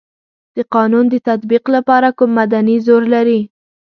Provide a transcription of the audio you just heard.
د قانون د تطبیق لپاره کوم مدني زور لري.